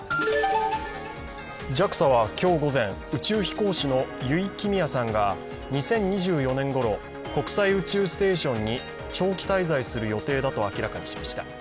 ＪＡＸＡは今日午前、宇宙飛行士の油井亀美也さんが２０２４年ごろ、国際宇宙ステーションに長期滞在する予定だと明らかにしました。